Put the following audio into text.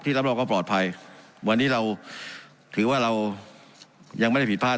รับรองความปลอดภัยวันนี้เราถือว่าเรายังไม่ได้ผิดพลาด